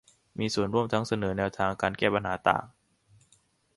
มีส่วนร่วมทั้งเสนอแนวทางแก้ปัญหาต่าง